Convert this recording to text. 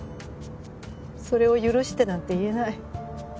それを許してなんて言えない。